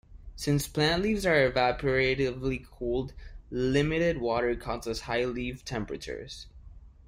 Since plant leaves are evaporatively cooled, limited water causes high leaf temperatures.